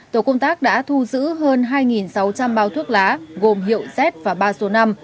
tổ công tác đã thu giữ hơn hai sáu trăm linh bao thuốc lá gồm hiệu z và ba số năm